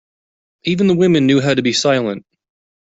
Even the women knew how to be silent.